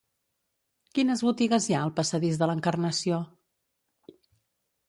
Quines botigues hi ha al passadís de l'Encarnació?